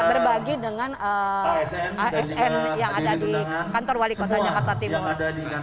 jadi dengan asn yang ada di kantor wali kota jakarta timur